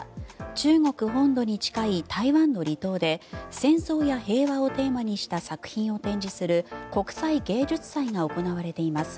中国本土に近い台湾の離島で戦争や平和をテーマにした作品を展示する国際芸術祭が行われています。